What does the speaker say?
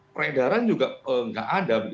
peredaran juga tidak ada